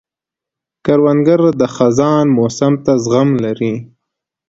کروندګر د خزان موسم ته زغم لري